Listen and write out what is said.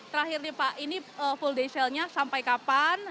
terakhir nih pak ini full day sale nya sampai kapan